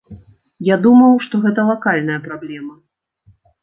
Я думаў, што гэта лакальная праблема.